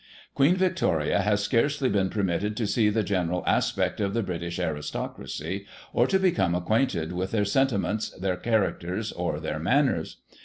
" Queen Victoria has scarcely been permitted to see the general aspect of the British aristocracy, or to become ac quainted with their sentiments, their characters, or their manners.